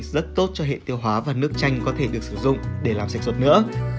rất tốt cho hệ tiêu hóa và nước chanh có thể được sử dụng để làm sạch ruột nữa